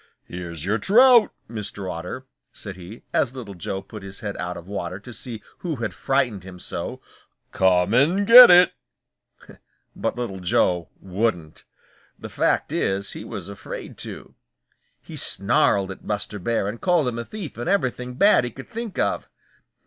"Here's your trout, Mr. Otter," said he, as Little Joe put his head out of water to see who had frightened him so. "Come and get it." [Illustration: "Here's your trout, Mr. Otter," said he. Page 5.] But Little Joe wouldn't. The fact is, he was afraid to. He snarled at Buster Bear and called him a thief and everything bad he could think of.